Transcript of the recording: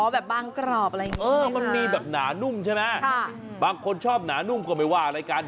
แบบบางกรอบอะไรอย่างนี้มันมีแบบหนานุ่มใช่ไหมบางคนชอบหนานุ่มก็ไม่ว่าอะไรกัน